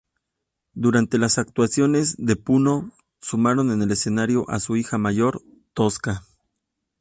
Durante las actuaciones de Puno, sumaron en el escenario a su hija mayor, Tosca.